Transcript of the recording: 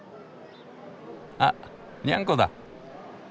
あニャンコだ。